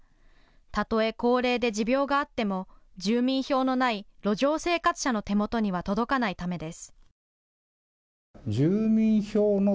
たとえ高齢で持病があっても住民票のない路上生活者の手元には届かないためです。